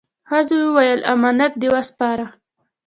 ښځه وویل: «امانت دې وسپاره؟»